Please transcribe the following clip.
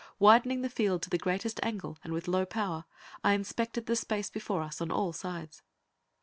Widening the field to the greatest angle, and with low power, I inspected the space before us on all sides.